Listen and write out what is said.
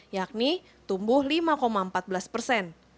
yakni tumbuh lima empat belas persen